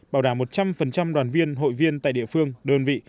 bảo đảm một trăm linh đoàn viên hội viên tại địa phương đơn vị